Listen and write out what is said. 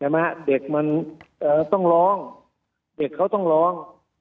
เห็นไหมฮะเด็กมันต้องล้องเด็กเขาต้องล้อง